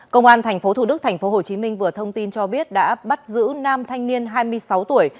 công an tp thủ đức tp hcm vừa thông tin cho biết đã bắt giữ nam thanh niên hai mươi sáu tuổi